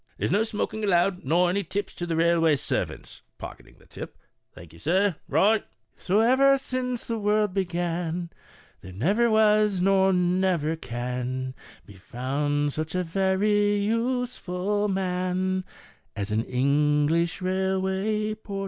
" There's no smoking allowed, nor any tips to the railway servants " (pocketing ■he tip). Thank you, sir. Right." (Rings belt.) So ever since tho world began There never was, nor never can Be found such a very useful man As an English railway porter.